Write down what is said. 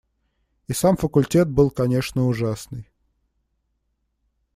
И сам факультет был, конечно, ужасный.